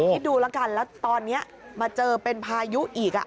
คิดดูแล้วกันแล้วตอนนี้มาเจอเป็นพายุอีก